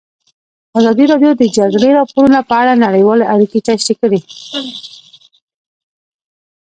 ازادي راډیو د د جګړې راپورونه په اړه نړیوالې اړیکې تشریح کړي.